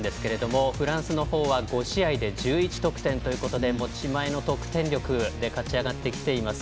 フランスの方は５試合で１１得点ということで持ち前の得点力で勝ち上がってきています